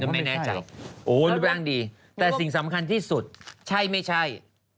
ไม่ให้หรอโอ้ดูแปลงดีแต่สิ่งสำคัญที่สุดใช่ไม่ใช่